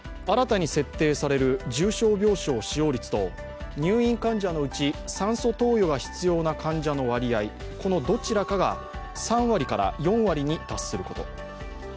新たに設定される重症病床使用率と入院患者のうち酸素投与が必要な患者の割合、このどちらかが３割から４割に達すること。